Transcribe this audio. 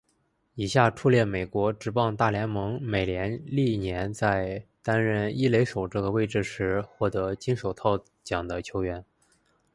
以下列出美国职棒大联盟美联历年在担任一垒手这个位置时获得金手套奖的球员。